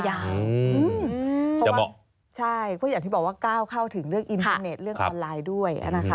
อย่างที่บอกว่าเก้าเข้าถึงเรื่องอินเทอร์เน็ตเรื่องออนไลน์ด้วย